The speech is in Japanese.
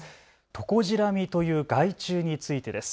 トコジラミという害虫についてです。